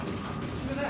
すいません！